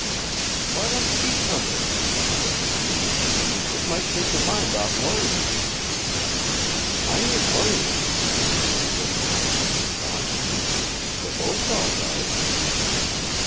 "Why don't you eat somethin'?" suggested she. "It might take your mind off worryin'." "I ain't worryin', Tiny," was the confident reply. "The boat's all right."